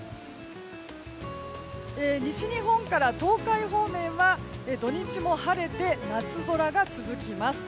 西日本から東海方面は土日も晴れて夏空が続きます。